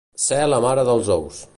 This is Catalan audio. Ser la mare dels ous.